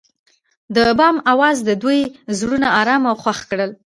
د بام اواز د دوی زړونه ارامه او خوښ کړل.